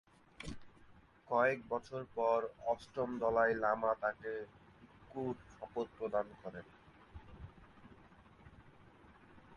কয়েক বছর পর অষ্টম দলাই লামা তাকে ভিক্ষুর শপথ প্রদান করেন।